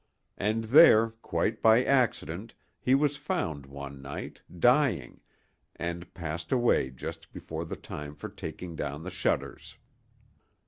And there, quite by accident, he was found one night, dying, and passed away just before the time for taking down the shutters.